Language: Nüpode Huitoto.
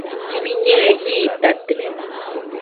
Miñɨe jitate.